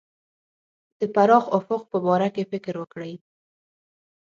د پراخ افق په باره کې فکر وکړي.